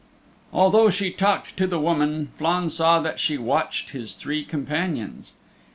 Although she talked to the woman, Flann saw that she watched his three companions.